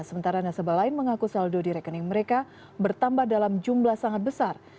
sementara nasabah lain mengaku saldo di rekening mereka bertambah dalam jumlah sangat besar